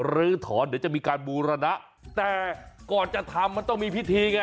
ลื้อถอนเดี๋ยวจะมีการบูรณะแต่ก่อนจะทำมันต้องมีพิธีไง